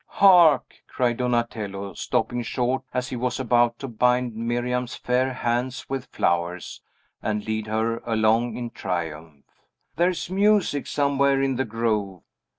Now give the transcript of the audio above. "Hark!" cried Donatello, stopping short, as he was about to bind Miriam's fair hands with flowers, and lead her along in triumph, "there is music somewhere in the grove!"